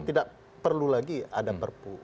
tidak perlu lagi ada perpu